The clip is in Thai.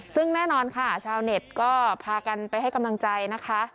ซึ่งแน่นอนค่ะชาวเน็ตก็พากันไปให้กำลังใจนะคะ